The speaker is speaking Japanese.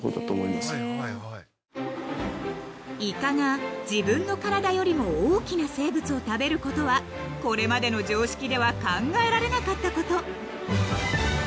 ［イカが自分の体よりも大きな生物を食べることはこれまでの常識では考えられなかったこと］